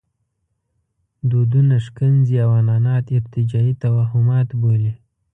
دودونه ښکنځي او عنعنات ارتجاعي توهمات بولي.